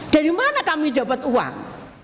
dari mana kami dapat uang